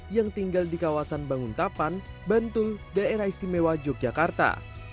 yang tinggal di kawasan banguntapan bantul daerah istimewa yogyakarta